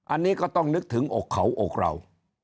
อันนี้ก็ต้องนึกถึงอกเขาอกเรา